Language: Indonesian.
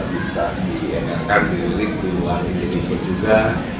bisa direkam dan dirilis di luar indonesia juga